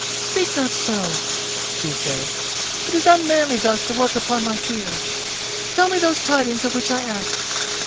"Speak not so," she said; "it is unmanly thus to work upon my fears. Tell me those tidings of which I ask."